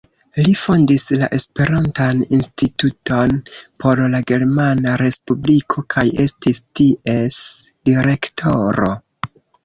Li fondis la Esperantan Instituton por la Germana Respubliko kaj estis ties direktoro.